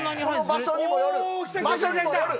場所にもよる！